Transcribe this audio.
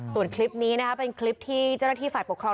ส่วนคลิปนี้นะครับเป็นคลิปที่เจ้าหน้าที่ฝ่ายปกครอง